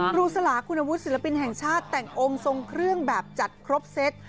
ครูสลาคุณวุฒิศิลปินแห่งชาติแต่งองค์ทรงเครื่องแบบจัดครบเซต